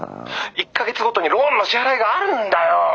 １か月ごとにローンの支払いがあるんだよ。